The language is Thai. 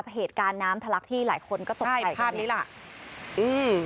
เหตุการณ์น้ำทะลักที่หลายคนก็ตกใจภาพนี้แหละอืม